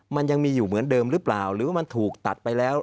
มันยังมีอยู่เหมือนเดิมหรือเปล่าหรือว่ามันถูกตัดไปแล้ว